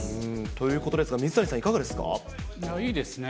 ということですが、水谷さん、いや、いいですね。